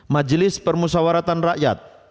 majelis permusawaratan rakyat